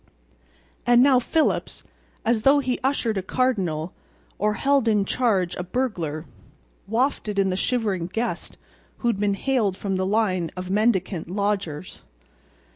And now Phillips, as though he ushered a cardinal—or held in charge a burglar—wafted in the shivering guest who had been haled from the line of mendicant lodgers.